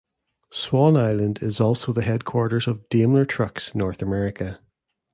Swan Island is also the headquarters of Daimler Trucks North America.